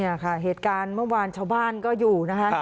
เนี่ยค่ะเหตุการณ์เมื่อวานชาวบ้านก็อยู่นะคะ